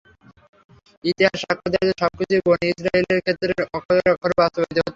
ইতিহাস সাক্ষ্য দেয় যে, সবকিছুই বনী ইসরাঈলের ক্ষেত্রে অক্ষরে অক্ষরে বাস্তবায়িত হয়েছিল।